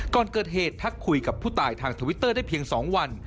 ก่อนเกิดเหตุทักคุยกับผู้ตายทางทวิตเตอร์ได้เพียง๒วัน